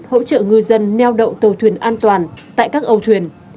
hỗ trợ ngư dân neo đậu tàu thuyền an toàn tại các âu thuyền